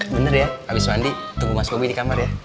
bener ya abis mandi tunggu mas bopi di kamar ya